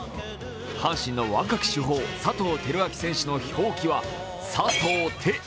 阪神の若き主砲・佐藤輝明選手の表記はさとうて。